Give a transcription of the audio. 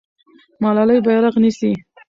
ملالۍ بیرغ نیسي.